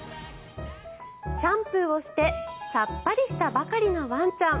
シャンプーをしてさっぱりしたばかりのワンちゃん。